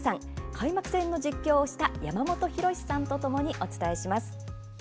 開幕戦の実況をした山本浩さんとともにお伝えします。